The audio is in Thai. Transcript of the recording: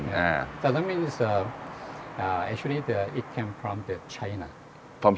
โอเคแล้วเมื่อไหร่คุณเปิดรสเตอร์รังนี้ไหม